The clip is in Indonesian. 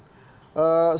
sehingga pada saat itu